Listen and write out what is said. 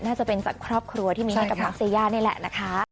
น่าจะเป็นจากครอบครัวที่มีให้กับน้องเซย่านี่แหละนะคะ